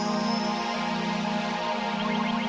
lebih baik disshownya ini ya mbak